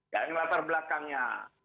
yang latar belakangnya